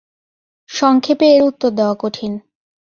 সংক্ষেপে এর উত্তর দেওয়া কঠিন।